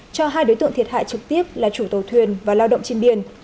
cho hai đối tượng thiệt hại trực tiếp là chủ tàu thuyền và lao động trên biển